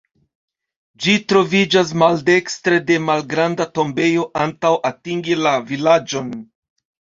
Ĝi troviĝas maldekstre de malgranda tombejo antaŭ atingi la vilaĝon.